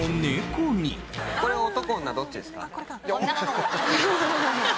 これ、男と女どっちですか？